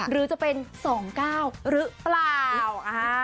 หรือจะเป็น๒๙หรือเปล่า